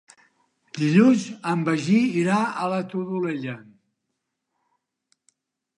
Dilluns en Magí irà a la Todolella.